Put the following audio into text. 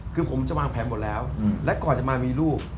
คือผมจะวางแผนหมดแล้วและก่อนจะมามีลูก